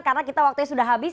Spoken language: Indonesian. karena kita waktunya sudah habis